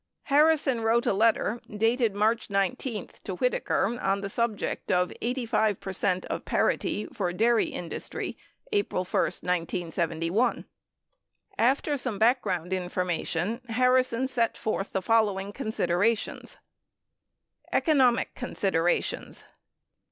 Harrison wrote a letter, dated March 19, to Whitaker on the subject of "85 percent of Parity for Dairy Industry April 1, 1971." After some background information, Harrison set forth the following con siderations : Economic considerations.